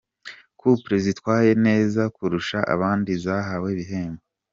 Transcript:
Couples zitwaye neza kurusha abandi zahawe ibihembo.